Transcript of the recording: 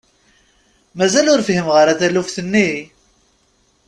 Mazal ur fhimen ara taluft-nni?